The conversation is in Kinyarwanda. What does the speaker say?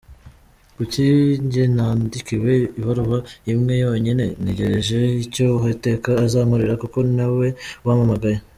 Kuki njye nandikiwe ibaruwa imwe yonyine?… Ntegereje icyo Uwiteka azankorera kuko ni we wampamagaye.